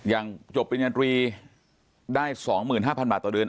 จบปริญญาตรีได้๒๕๐๐บาทต่อเดือน